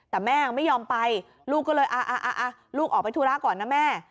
แต่แม่ไม่ยอมไปลูกก็เลยลูกออกไปธุระก่อนนะแม่